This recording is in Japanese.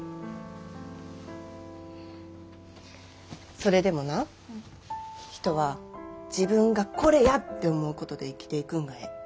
それでもな人は自分が「これや！」って思うことで生きていくんがええ。